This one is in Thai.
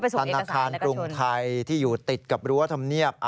ธนาคารกรุงไทยที่อยู่ติดกับรั้วธรรมเนียบ